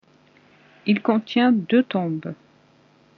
Il contient deux tombes.